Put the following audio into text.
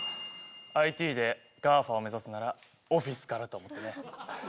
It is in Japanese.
ＩＴでＧＡＦＡを目指すならオフィスからと思ってね